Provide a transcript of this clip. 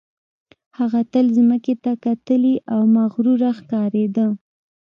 هغه تل ځمکې ته کتلې او مغروره ښکارېده